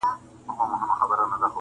قلاګانو کي په جګو تعمیرو کي،